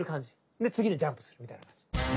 で次にジャンプするみたいな感じ。